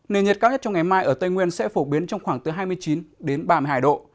nền nhiệt cao nhất trong ngày mai ở tây nguyên sẽ phổ biến trong khoảng từ hai mươi chín đến ba mươi hai độ